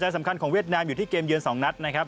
สำคัญของเวียดนามอยู่ที่เกมเยือน๒นัดนะครับ